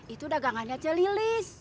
itu dagangannya celilis